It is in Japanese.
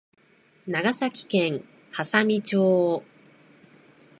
長崎県波佐見町